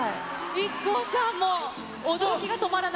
ＩＫＫＯさんも驚きが止まら